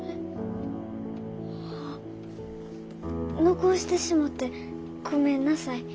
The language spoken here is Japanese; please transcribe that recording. あ残してしもてごめんなさい。